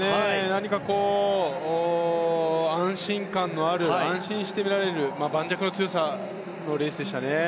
何か安心感のある安心して見られる盤石の強さのレースでしたね。